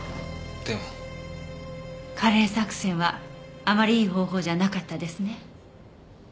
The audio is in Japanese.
カレー作戦はあまりいい方法じゃなかったですね。